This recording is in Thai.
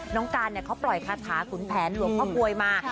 น้องการเขาปล่อยคาถาขุนแผนหลวงพ่อกลวยมา